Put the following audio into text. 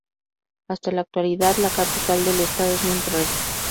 Hasta la Actualidad la Capital del Estado es Monterrey.